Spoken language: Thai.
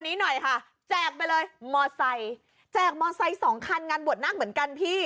นี้หน่อยค่ะแจกไปเลยมอไซค์แจกมอไซค์สองคันงานบวชนาคเหมือนกันพี่